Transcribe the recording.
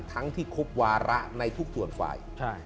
ทั้งที่ครบวาระในทุกส่วนฝ่าย